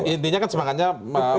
intinya kan semangatnya